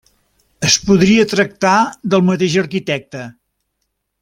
Es podria tractar del mateix arquitecte.